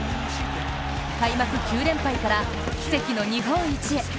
開幕９連敗から奇跡の日本一へ。